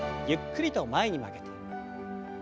ゆっくりと前に曲げて。